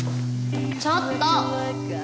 ちょっと！